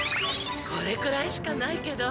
これくらいしかないけど。